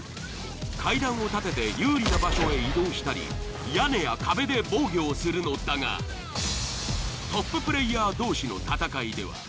階段を建てて有利な場所へ移動したり屋根や壁で防御をするのだがＴＯＰプレイヤー同士の戦いでは。